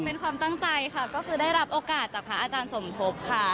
เป็นความตั้งใจค่ะก็คือได้รับโอกาสจากพระอาจารย์สมทบค่ะ